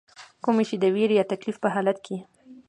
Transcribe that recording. کومي چې د ويرې يا تکليف پۀ حالت کښې